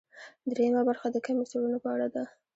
درېیمه برخه د کمي څېړنو په اړه ده.